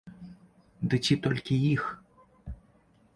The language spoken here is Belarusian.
Ды ці толькі іх?